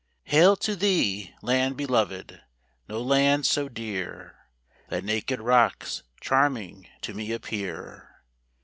Hail to thee, land beloved ! no land so dear; Thy naked rocks charming to me appear.